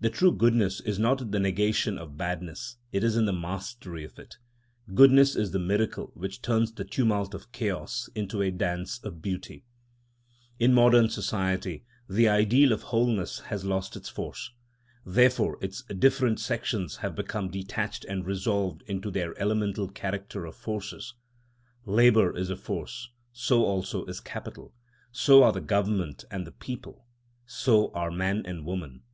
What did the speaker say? The true goodness is not the negation of badness, it is in the mastery of it. Goodness is the miracle which turns the tumult of chaos into a dance of beauty. In modern society the ideal of wholeness has lost its force. Therefore its different sections have become detached and resolved into their elemental character of forces. Labour is a force; so also is Capital; so are the Government and the People; so are Man and Woman.